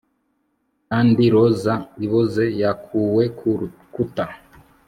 kandi roza iboze yakuwe ku rukuta